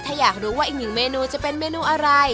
ถ้าอยากรู้ว่าอีกหนึ่งเมนูจะเป็นเมนูอะไร